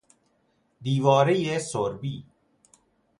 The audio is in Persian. دیوارهی سربی